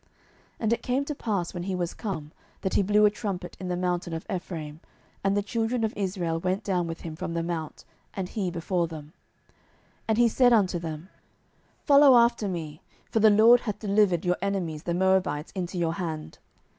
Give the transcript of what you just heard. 07:003:027 And it came to pass, when he was come, that he blew a trumpet in the mountain of Ephraim, and the children of Israel went down with him from the mount, and he before them. 07:003:028 And he said unto them, Follow after me: for the LORD hath delivered your enemies the Moabites into your hand.